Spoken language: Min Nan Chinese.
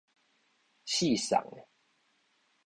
四送个